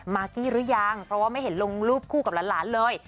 กี้หรือยังเพราะว่าไม่เห็นลงรูปคู่กับหลานเลย